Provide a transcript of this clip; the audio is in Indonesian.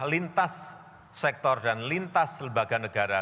lintas sektor dan lintas lembaga negara